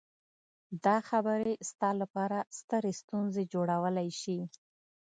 دا خبرې ستا لپاره سترې ستونزې جوړولی شي